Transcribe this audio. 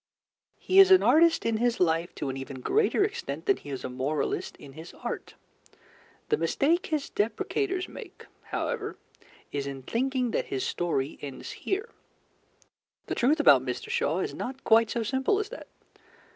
He is an artist in his life to an even greater extent than he is a moralist in his art. The mistake his depreciators make, however, is in thinking that his story ends here. The truth about Mr. Shaw is not quite so simple as that.